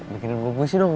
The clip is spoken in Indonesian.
bikin buku puisi dong